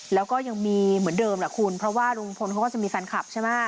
แล้วก็ยังมีเหมือนเดิมแหละคุณเพราะว่าลุงพลเขาก็จะมีแฟนคลับใช่ไหม